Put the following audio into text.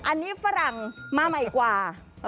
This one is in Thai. อันนี้ฝรั่งมาใหม่กว่า